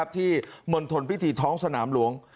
ที่มนถวนพิธีท้องสนามหลวง